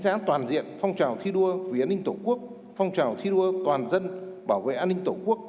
đại hội thi đua vì an ninh tổ quốc toàn dân bảo vệ an ninh tổ quốc